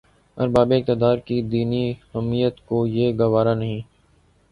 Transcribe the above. اربابِ اقتدارکی دینی حمیت کو یہ گوارا نہیں